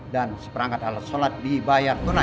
dan seperangkat alat sholat dibayar tunai